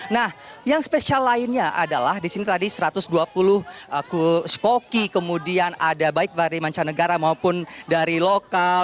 nah yang spesial lainnya adalah di sini tadi satu ratus dua puluh skoki kemudian ada baik dari mancanegara maupun dari lokal